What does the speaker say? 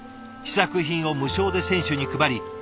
試作品を無償で選手に配り